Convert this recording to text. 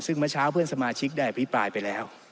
ซึ่งเมื่อเช้าเพื่อนสมาชิกได้อภิปรายไปแล้ว